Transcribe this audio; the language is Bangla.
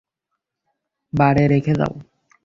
বারে রেখে যাও।